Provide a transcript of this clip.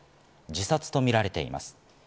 自殺とみられています。